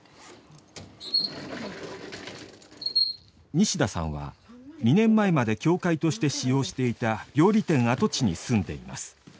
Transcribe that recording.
西田さんは２年前まで教会として使用していた料理店跡地に住んでいます。